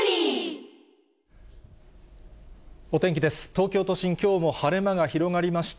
東京都心、きょうも晴れ間が広がりました。